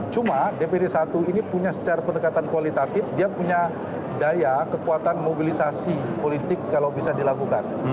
cuma dpd satu ini punya secara pendekatan kualitatif dia punya daya kekuatan mobilisasi politik kalau bisa dilakukan